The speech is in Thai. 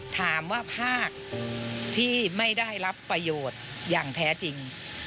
ถามว่าภาคที่ไม่ได้รับประโยชน์อย่างแท้จริง